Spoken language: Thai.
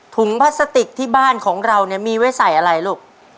ถุงพลาสติกที่บ้านของเรามีไว้ใส่อะไรลูก